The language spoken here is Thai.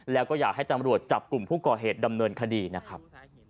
แล้วก็อยากให้ตำรวจจับกลุ่มผู้ก่อเหตุดำเนินคดีนะครับ